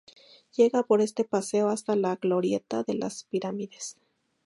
Llega por este paseo hasta la Glorieta de las Pirámides.